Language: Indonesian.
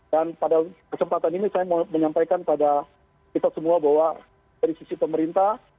dan pada kesempatan ini saya mau menyampaikan pada kita semua bahwa dari sisi pemerintah